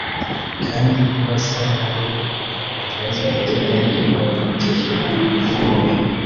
kandi ko basa n’aho batazi ibyo ari byo (technophobe)